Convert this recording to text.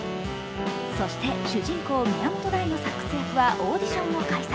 そして、主人公・宮本大のサックス役はオーディションを開催。